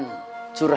dan rasa kebenaran